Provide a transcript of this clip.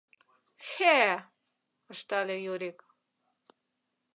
— Хэ, — ыштале Юрик.